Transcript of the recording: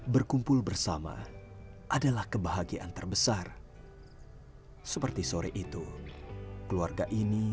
dia masih butuh perhatian masih butuh support dari kita kan